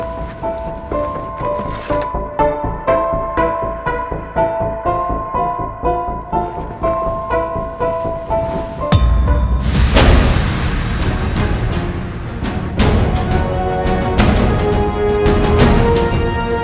dari mana saja bisa bertahan biar akan lebih banyak